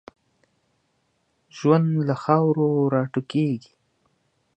ژوند له خاورو را ټوکېږي.